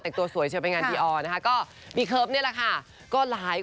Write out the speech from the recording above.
จังเรียบเป็นงานพี่อ่อนะคะก็มีคริคเนี้ยแหละค่ะก็หลายคน